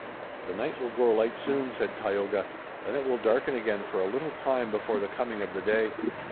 "The night will grow light soon," said Tayoga, "then it will darken again for a little time before the coming of the day."